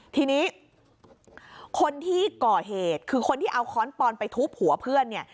ทีนี้คนที่ก่อเหตุคือคนที่เอาค้อนปอนไปทุบหัวเพื่อนเนี่ย